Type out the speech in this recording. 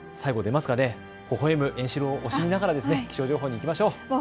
ほほえむ円四郎を惜しみながら気象情報にいきましょう。